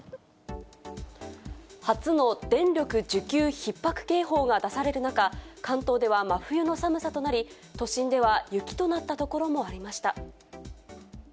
初の電力需給ひっ迫警報が出される中、関東では真冬の寒さとなり、都心では、雪となった所もありました。